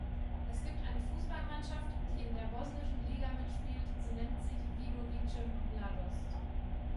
Es gibt eine Fußballmannschaft, die in der bosnischen Liga mitspielt, sie nennt sich Vidovice-Mladost.